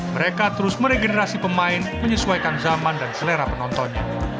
mereka terus meregenerasi pemain menyesuaikan zaman dan selera penontonnya